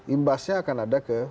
imbasnya akan ada ke